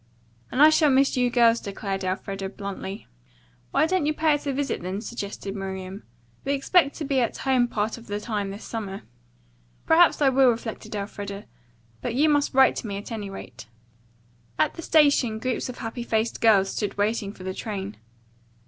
"And I shall miss you girls," declared Elfreda bluntly. "Why don't you pay us a visit, then?" suggested Miriam. "We expect to be at home part of the time this summer." "Perhaps I will," reflected Elfreda. "But you must write to me at any rate." At the station groups of happy faced girls stood waiting for the train.